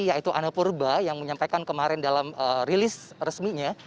yaitu anne purba yang menyampaikan kemarin dalam rilis resminya